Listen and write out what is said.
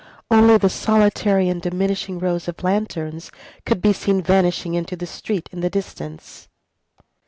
Only the solitary and diminishing rows of lanterns could be seen vanishing into the street in the distance.